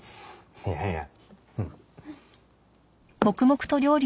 いやいや。